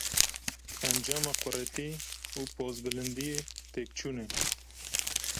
Encama quretî û pozbilindiyê, têkçûn e.